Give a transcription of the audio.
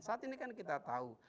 saat ini kan kita tahu